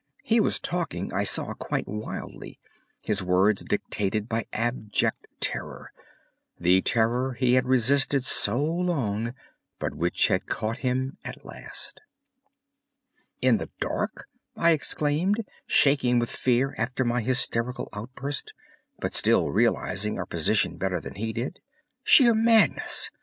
He was talking, I saw, quite wildly, his words dictated by abject terror—the terror he had resisted so long, but which had caught him at last. "In the dark?" I exclaimed, shaking with fear after my hysterical outburst, but still realizing our position better than he did. "Sheer madness!